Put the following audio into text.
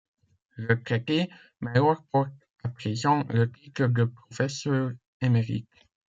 Retraité, Mellor porte à présent le titre de professeur émérite.